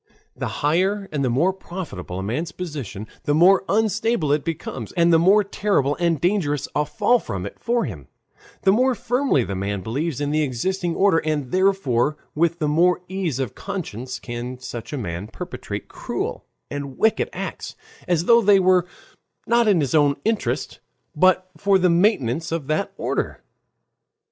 The higher and the more profitable a man's position, the more unstable it becomes, and the more terrible and dangerous a fall from it for him, the more firmly the man believes in the existing order, and therefore with the more ease of conscience can such a man perpetrate cruel and wicked acts, as though they were not in his own interest, but for the maintenance of that order.